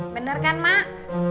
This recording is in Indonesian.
bener kan mak